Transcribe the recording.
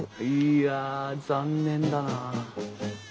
いや残念だなあ。